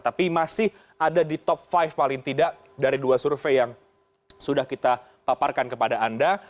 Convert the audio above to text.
tapi masih ada di top lima paling tidak dari dua survei yang sudah kita paparkan kepada anda